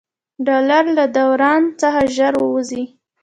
ډالر له دوران څخه ژر ووځي.